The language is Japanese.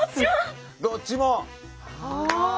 どっちも？